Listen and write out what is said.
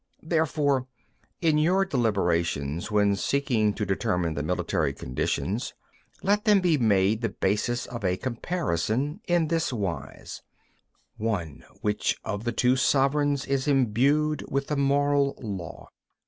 12. Therefore, in your deliberations, when seeking to determine the military conditions, let them be made the basis of a comparison, in this wise:— 13. (1) Which of the two sovereigns is imbued with the Moral law?